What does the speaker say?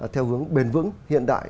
theo hướng bền vững hiện đại